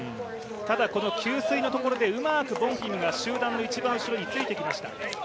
ただこの給水のところでうまくボンフィムが集団の後ろについてきました。